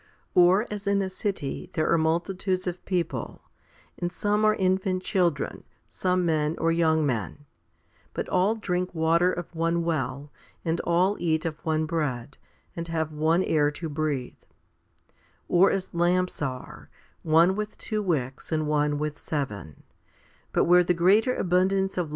2. Or as in a city there are multitudes of people, and some are infant children, some men, or young men ; but all drink water of one well, and all eat of one bread, and have one air to breathe; or as lamps are, one with two wicks and one with seven, but where the greater abundance of light 1 I Cor.